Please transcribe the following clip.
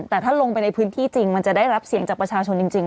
แต่ถ้าลงไปในพื้นที่จริงมันจะได้รับเสียงจากประชาชนจริง